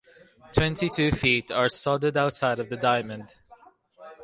Twenty-two feet are sodded outside of the diamond.